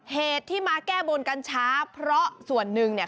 เหตุที่มาแก้บนกันช้าเพราะส่วนหนึ่งเนี่ย